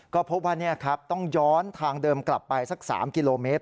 ก็พบว่านี่ครับต้องย้อนทางเดิมกลับไปสัก๓กิโลเมตร